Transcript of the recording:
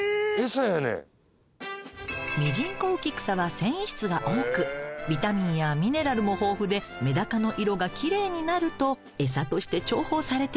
ミジンコウキクサは繊維質が多くビタミンやミネラルも豊富でメダカの色が奇麗になると餌として重宝されているの。